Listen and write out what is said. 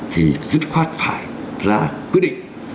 thì dứt khoát phải ra quyết định